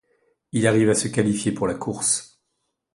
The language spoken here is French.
Il arrive à se qualifier pour la course.